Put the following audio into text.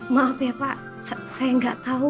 maaf ya pak saya nggak tahu